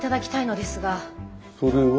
それは？